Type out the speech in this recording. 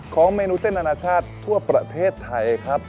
เมนูเส้นอนาชาติทั่วประเทศไทยครับ